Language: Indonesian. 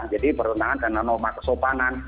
jadi bertentangan dengan norma kesopangan